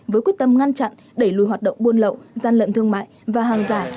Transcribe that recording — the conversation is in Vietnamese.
với quyết tâm ngăn chặn đẩy lùi hoạt động buôn lậu gian lận thương mại và hàng giả